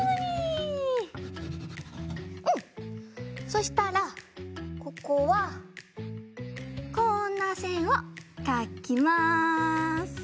そしたらここはこんなせんをかきます。